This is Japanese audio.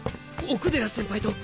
奥寺先輩と？